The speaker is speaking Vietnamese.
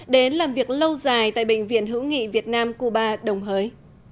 đến làm việc lâu dài tại bệnh viện hữu nghị việt nam cuba đồng hới